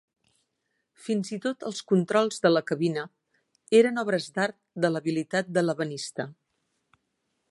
Fins i tot els controls de la cabina eren obres d'art de l'habilitat de l'ebenista.